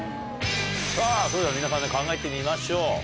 さあ、それでは皆さんで考えてみましょう。